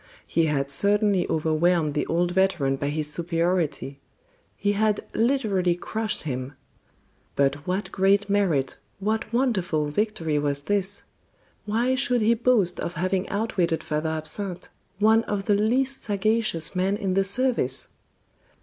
He had certainly overwhelmed the old veteran by his superiority; he had literally crushed him. But what great merit, what wonderful victory was this? Why should he boast of having outwitted Father Absinthe, one of the least sagacious men in the service?